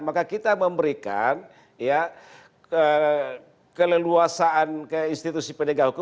maka kita memberikan ya keleluasan ke institusi pendegang hukum